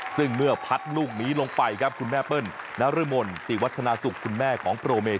ซึ่งเมื่อพัดลูกนี้ลงไปครับคุณแม่เปิ้ลนรมนติวัฒนาสุขคุณแม่ของโปรเม